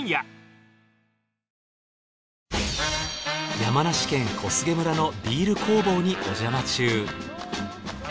山梨県小菅村のビール工房におじゃま中。